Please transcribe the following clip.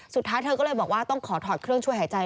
เธอก็เลยบอกว่าต้องขอถอดเครื่องช่วยหายใจ